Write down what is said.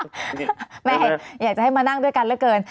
แม่อยากจะให้มานั่งด้วยกันเหลือเกิน